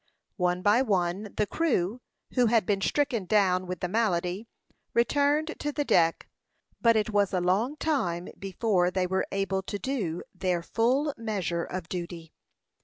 One by one the crew, who had been stricken down with the malady, returned to the deck; but it was a long time before they were able to do their full measure of duty.